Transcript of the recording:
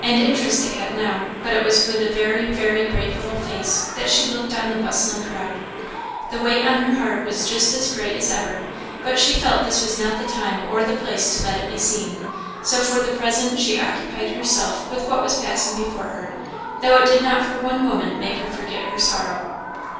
And interest it had now; but it was with a very, very grave little face that she looked on the bustling crowd. The weight on her heart was just as great as ever, but she felt this was not the time or the place to let it be seen; so for the present she occupied herself with what was passing before her, though it did not for one moment make her forget her sorrow.